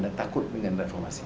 dan takut dengan reformasi